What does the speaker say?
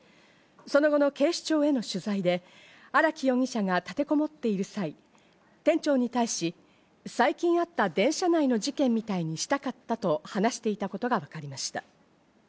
その後の警視庁への取材で、荒木容疑者が立てこもっている際、店長に対し、最近あった電車内の事件みたいにしたかったと話していたことがわかりました。